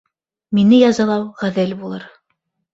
Мине язалау ғәҙел булыр.